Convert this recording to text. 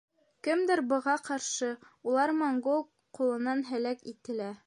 Кемдәр быға ҡаршы - улар монгол ҡулынан һәләк ителә.